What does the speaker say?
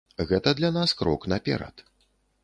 Гэта для нас крок наперад.